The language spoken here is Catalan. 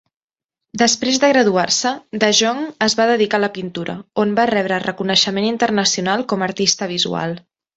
Després de graduar-se, De Jong es va dedicar a la pintura, on va rebre reconeixement internacional com a artista visual.